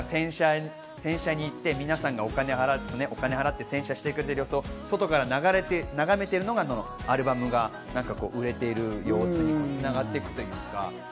洗車に行って皆さんがお金を払って、洗車してくれてる様子を外から眺めているのがアルバムが売れている様子に繋がっていくというか。